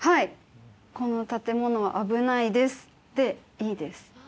「この建物は危ないです」でいいです。